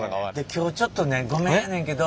今日ちょっとねごめんやねんけど。